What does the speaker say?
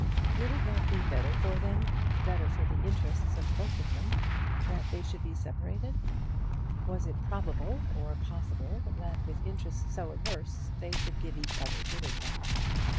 Would it not be better for them, better for the interests of them both, that they should be separated? Was it probable, or possible, that with interests so adverse, they should give each other good advice?